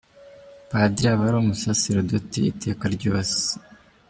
Padiri aba ari umusaseridoti iteka ryose.